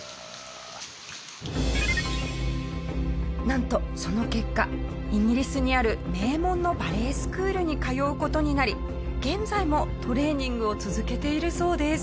なんとその結果イギリスにある名門のバレエスクールに通う事になり現在もトレーニングを続けているそうです。